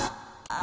あ。